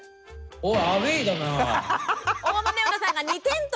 おい！